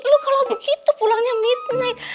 lu kalau begitu pulangnya midnight